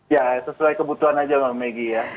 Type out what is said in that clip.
ya sesuai kebutuhan aja mbak megi ya